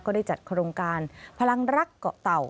ได้จัดโครงการพลังรักเกาะเต่า